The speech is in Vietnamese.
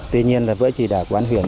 tuy nhiên là với chỉ đại quán huyền